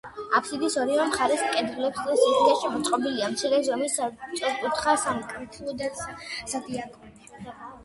აფსიდის ორივე მხარეს, კედლის სისქეში, მოწყობილია მცირე ზომის სწორკუთხა სამკვეთლო და სადიაკვნე.